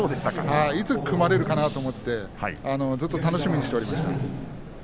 いつ組まれるかなと思ってずっと楽しみにしておりました。